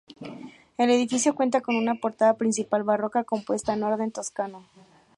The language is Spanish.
El edificio cuenta con una portada principal barroca compuesta en Orden toscano.